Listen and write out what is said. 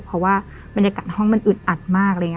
เพราะว่าบรรยากาศห้องมันอึดอัดมาก